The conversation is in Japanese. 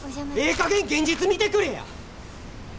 ええかげん現実見てくれや！